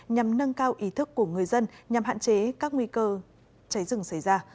nhằm nâng cao ý thức của người dân nhằm hạn chế các nguy cơ cháy rừng xảy ra